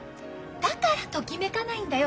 だからときめかないんだよ